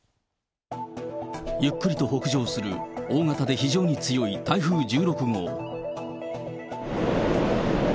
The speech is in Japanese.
ゆっくりと北上する大型で非常に強い台風１６号。